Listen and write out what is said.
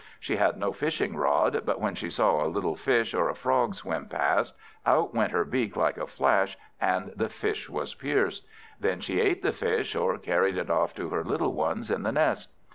She had no fishing rod, but when she saw a little fish or a frog swim past, out went her beak like a flash, and the fish was pierced. Then she ate the fish, or carried it off to her little ones in the nest.